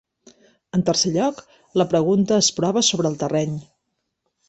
En tercer lloc, la pregunta es prova sobre el terreny.